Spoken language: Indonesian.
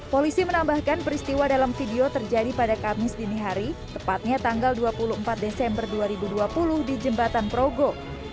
polisi menambahkan peristiwa dalam video terjadi pada kamis dini hari tepatnya tanggal dua puluh empat desember dua ribu dua puluh di jembatan progo